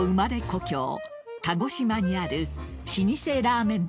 故郷鹿児島にある老舗ラーメン